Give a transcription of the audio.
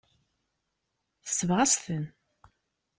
Tesbeɣ-as-ten.